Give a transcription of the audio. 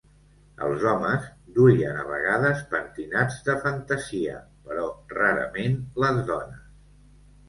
Els homes duien a vegades pentinats de fantasia però rarament les dones.